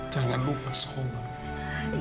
jangan lupa sholat